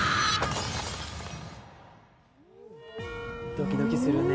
ドキドキするね。